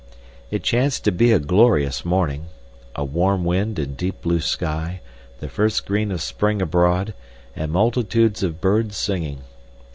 It chanced to be a glorious morning: a warm wind and deep blue sky, the first green of spring abroad, and multitudes of birds singing.